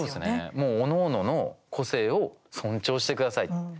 もう、おのおのの個性を尊重してください。